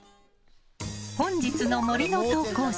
本日の森の投稿者